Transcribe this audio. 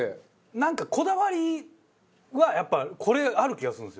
なんかこだわりはやっぱこれある気がするんですよ。